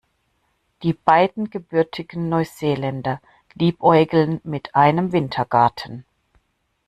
Die beiden gebürtigen Neuseeländer liebäugeln mit einem Wintergarten.